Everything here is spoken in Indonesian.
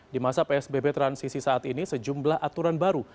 di masa psbb transisi saat ini sejumlah aturan baru